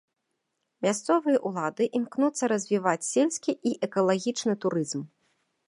Мясцовыя ўлады імкнуцца развіваць сельскі і экалагічны турызм.